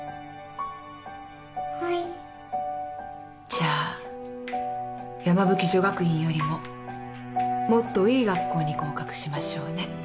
じゃあ山吹女学院よりももっといい学校に合格しましょうね。